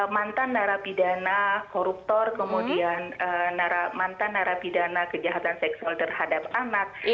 mantan narapidana koruptor kemudian mantan narapidana kejahatan seksual terhadap anak